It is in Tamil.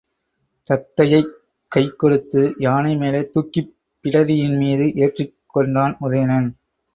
தத்தையைக் கைகொடுத்து யானை மேலே தூக்கிப் பிடரியின் மீது ஏற்றிக் கொண்டான் உதயணன்.